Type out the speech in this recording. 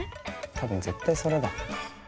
多分絶対それだ。